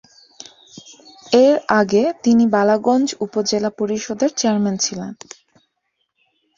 এর আগে তিনি বালাগঞ্জ উপজেলা পরিষদের চেয়ারম্যান ছিলেন।